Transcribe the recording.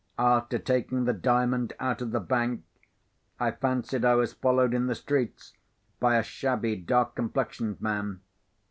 After taking the Diamond out of the bank, I fancied I was followed in the streets by a shabby, dark complexioned man.